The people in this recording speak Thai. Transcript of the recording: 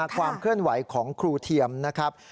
ความเคลื่อนไหวของครูเทียมนะครับ